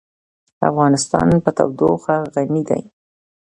افغانستان په تودوخه غني دی.